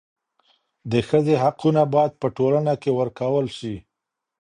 د ښځي حقونه باید په ټولنه کي ورکول سي.